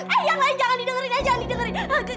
eh yang lain jangan didengerin jangan didengerin